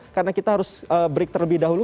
karena kita harus break terlebih dahulu